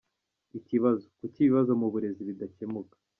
Ikibazo : kuki ibibazo mu burezi bidakemuka ?